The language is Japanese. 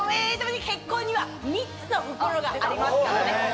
結婚には３つの袋がありますからね。